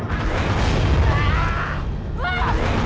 padahal ibu utilizat prophet muhammad di sakh zusu